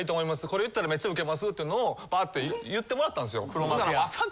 これ言ったらめっちゃウケますっていうのをパーって言ってもらったんですよ。